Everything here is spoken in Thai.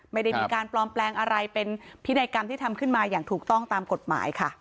ไม่ได้มีการปลอมแปลงอะไรเป็นพินัยกรรมที่ทำขึ้นมาอย่างถูกต้องตามกฎหมายค่ะ